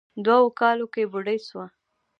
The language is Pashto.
دوو کالو کې بوډۍ سوه.